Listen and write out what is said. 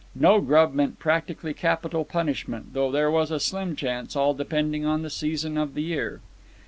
No grub meant practically capital punishment, though there was a slim chance, all depending on the season of the year.